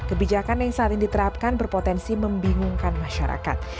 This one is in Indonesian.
kebijakan yang selalu diterapkan berpotensi membingungkan masyarakat